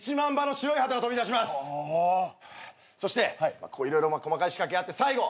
そしてこう色々細かい仕掛けがあって最後。